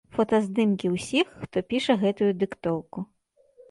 Фотаздымкі ўсіх, хто піша гэтую дыктоўку.